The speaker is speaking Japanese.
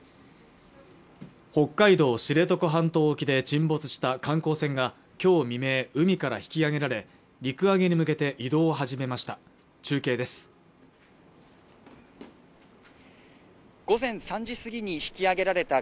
北海道知床半島沖で沈没した観光船がきょう未明海から引き上げられ陸揚げに向けて移動を始めました